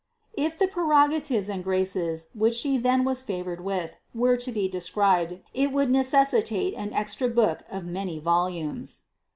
If the prerogatives and graces, which She then was favored with, were to be described, it would necessitate an extra book of many volumes.